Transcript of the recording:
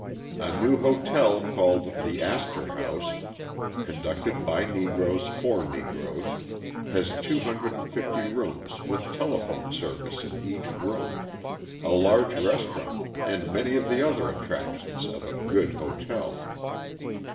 A new hotel called the Astor House, conducted by Negroes for Negroes, has 250 rooms with telephone service in each room, a large restaurant and many of the other attractions of a good hotel.